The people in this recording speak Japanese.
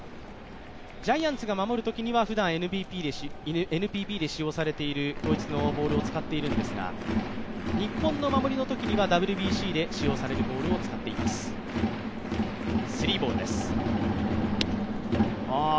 ジャイアンツが守るときにふだん、ＮＰＢで使用されている統一のボールを使っているんですが、日本の守りのときにはＷＢＣで使用されるボールを使っています。